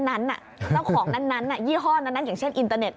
เจ้าของนั้นยี่ห้อนั้นอย่างเช่นอินเตอร์เน็